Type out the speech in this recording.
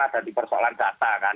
ada di persoalan data kan